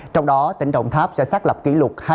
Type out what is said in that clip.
trong đó tỉnh đồng tháp sẽ xác lập kỷ lục